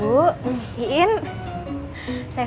saya selamat datang dari rumah saya